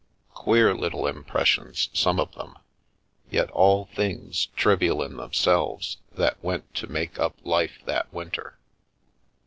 Queer little impressions, some of them, yet all things, trivial in themselves, that went to make up life that winter.